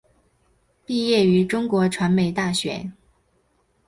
毕业于中国传媒大学。